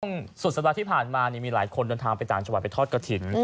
ตอนสุดสัปดาห์ที่ผ่านมามีหลายคนทางจากจังหวังไปทอดกทิส